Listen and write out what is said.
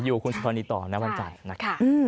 จะอยู่กับคุณสุภานีต่อนะวันจันทร์